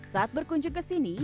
saat berkunjung kesini